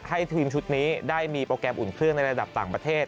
ให้ทีมชุดนี้ได้มีโปรแกรมอุ่นเครื่องในระดับต่างประเทศ